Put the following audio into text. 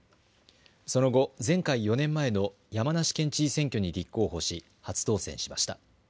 その後、前回４年前の山梨県知事選挙に立候補し初当選しました。